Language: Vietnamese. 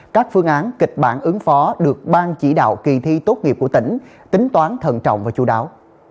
các phương án kịch bản ứng phó được ban chỉ đạo kỳ thi tốt nghiệp của tỉnh tính toán thần trọng và chú đáo